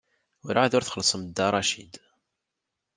Werɛad ur txellṣem Dda Racid.